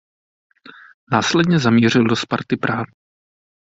Následně zamířil do Sparty Praha.